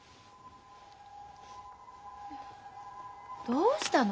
どうしたの？